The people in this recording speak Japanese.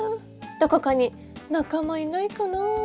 どこかに仲間いないかなぁ」。